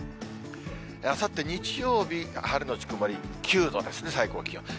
あさって日曜日、晴れのち曇り、９度ですね、最高気温。